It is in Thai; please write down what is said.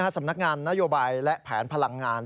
สำนักงานนโยบายและแผนพลังงาน